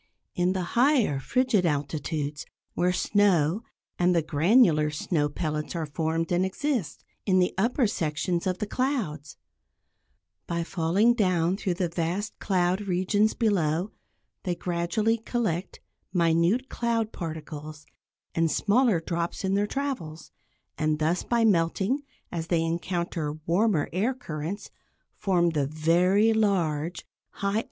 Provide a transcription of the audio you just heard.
In the higher, frigid altitudes where snow, and the granular snow pellets are formed and exist, in the upper sections of the clouds; by falling down through the vast cloud regions below, they gradually collect minute cloud particles, and smaller drops in their travels, and thus, by melting, as they encounter warmer air currents, form the very large, high altitude raindrops.